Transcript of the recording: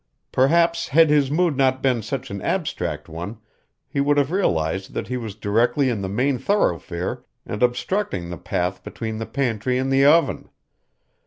Perhaps had his mood not been such an abstract one he would have realized that he was directly in the main thoroughfare and obstructing the path between the pantry and the oven.